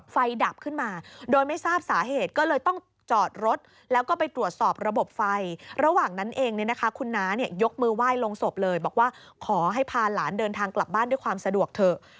ดับขึ้นมาโดยไม่ทราบสาเหตุก็เลยต้องจอดรถแล้วก็ไปตรวจสอบระบบไฟระหว่างนั้นเองเนี่ยนะคะคุณน้าเนี่ยยกมือไหว้ลงศพเลยบอกว่าขอให้พาหลานเดินทางกลับบ้านด้วยความสะดวกเถอะ